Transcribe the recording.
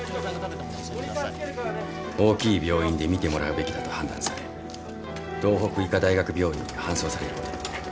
大きい病院で診てもらうべきだと判断され道北医科大学病院に搬送されることに。